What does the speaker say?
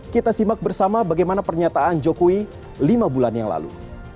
kita simak bersama bagaimana pernyataan jokowi lima bulan yang lalu